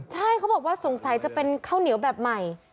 ใช่เขาบอกว่าสงสัยจะเป็นข้าวเหนียวแบบใหม่